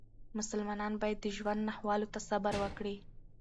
مسلمانان باید د ژوند ناخوالو ته صبر وکړي.